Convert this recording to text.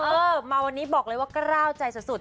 เออมาวันนี้บอกเลยว่ากล้าวใจสุด